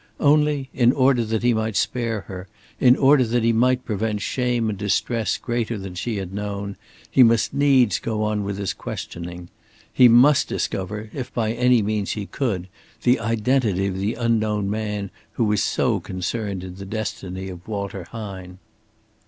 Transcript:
Only, in order that he might spare her, in order that he might prevent shame and distress greater than she had known, he must needs go on with his questioning. He must discover, if by any means he could, the identity of the unknown man who was so concerned in the destiny of Walter Hine.